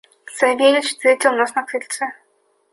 Савельич встретил нас на крыльце.